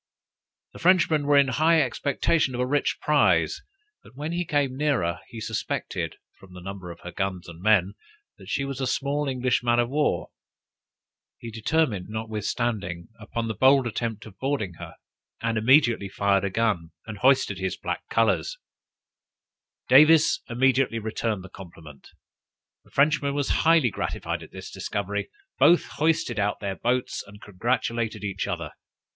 The Frenchman was in high expectation of a rich prize, but when he came nearer, he suspected, from the number of her guns and men, that she was a small English man of war; he determined, notwithstanding, upon the bold attempt of boarding her, and immediately fired a gun, and hoisted his black colors: Davis immediately returned the compliment. The Frenchman was highly gratified at this discovery; both hoisted out their boats, and congratulated each other.